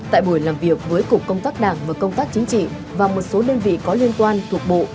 tại buổi làm việc với cục công tác đảng và công tác chính trị và một số đơn vị có liên quan thuộc bộ